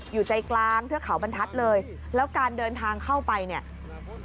อยู่ใจกลางเทือกเขาบรรทัศน์เลยแล้วการเดินทางเข้าไปเนี่ย